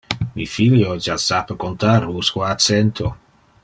Mi filio ja sape contar usque a cento.